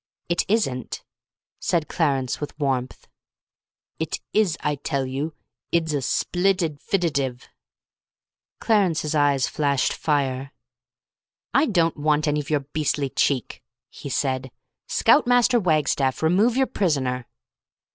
"It isn't," said Clarence with warmth. "It is, I tell you. Id's a splid idfididive." Clarence's eyes flashed fire. "I don't want any of your beastly cheek," he said. "Scout Master Wagstaff, remove your prisoner."